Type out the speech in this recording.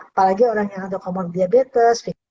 apalagi orang yang ada comor diabetes